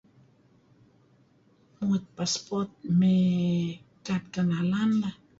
Muit passport mey kad kenalan lah.